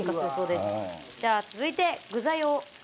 じゃあ続いて具材を。